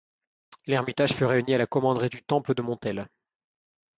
L'ermitage fut réuni à la commanderie du Temple de Montels.